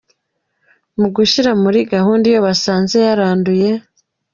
Kumushyira muri gahunda iyo basanze yaranduye,.